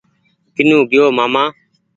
ڪينو گيو ماما